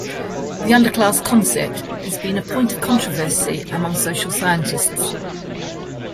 The underclass concept has been a point of controversy among social scientists.